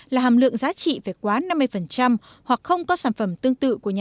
là hàm lượng giá trị phải quá năm mươi hoặc không có sản phẩm tương tự của nhà sản